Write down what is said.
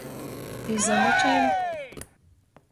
Izalečei.